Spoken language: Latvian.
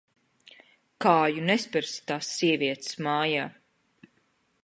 Kāju nespersi tās sievietes mājā.